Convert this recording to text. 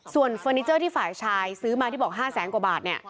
ส่วนเฟอร์นิเจอร์ที่ฝ่ายชายซื้อมาที่บอก๕แสนกว่าบาทเนี่ย